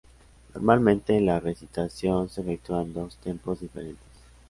Normalmente la recitación se efectúa en dos "tempos" diferentes.